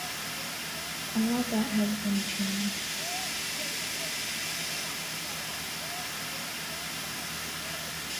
All that has been changed.